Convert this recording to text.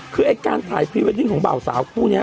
คือไอ้การถ่ายพรีเวดดิ้งของเบาสาวคู่นี้